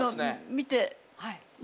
見て。